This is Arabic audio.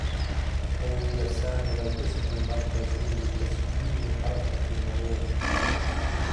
حُوِّلَ سامي إلى القسم المركزي لتسيير حركة المرور.